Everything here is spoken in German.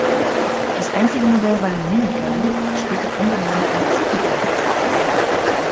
Das einzige Modell war der Mini-El, später umbenannt in City-El.